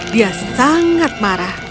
dia sangat marah